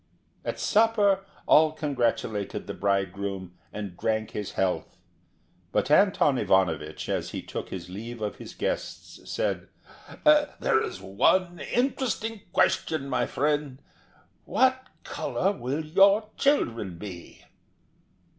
At supper all congratulated the bridegroom and drank his health; but Anton Ivanovich, as he took his leave of his guests, said: "There is one interesting question, my friend, what colour will your children be?"